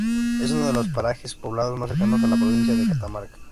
Es uno de los parajes poblados más cercanos a la provincia de Catamarca.